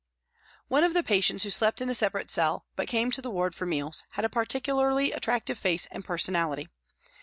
One of the patients who slept in a separate cell, but came to the ward for meals, had a particularly attractive face and personality.